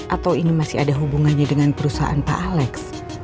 atau ini masih ada hubungannya dengan perusahaan pak alex